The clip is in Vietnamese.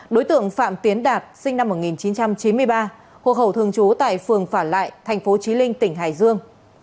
đối tượng phạm tiến đạt sinh năm một nghìn chín trăm chín mươi ba hộ khẩu thường trú tại phường phả lại tp chí linh tỉnh hải dương